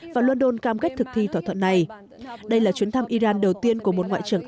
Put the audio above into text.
và london cam kết thực thi thỏa thuận này đây là chuyến thăm iran đầu tiên của một ngoại trưởng